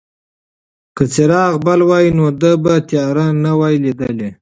که څراغ بل وای نو ده به تیاره نه وای لیدلې.